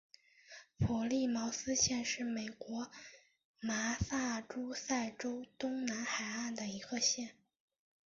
普利茅斯县是美国麻萨诸塞州东南海岸的一个县。